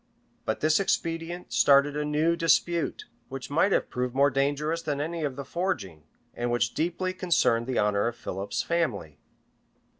But this expedient started a new dispute, which might have proved more dangerous than any of the foregoing, and which deeply concerned the honor of Philip's family.